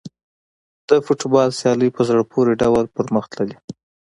د فوټبال سیالۍ په زړه پورې ډول پرمخ تللې.